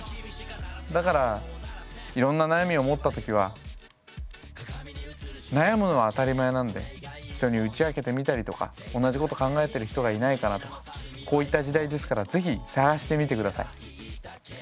だからいろんな悩みを持ったときは悩むのは当たり前なんで人に打ち明けてみたりとか同じこと考えてる人がいないかなとかこういった時代ですから是非探してみてください。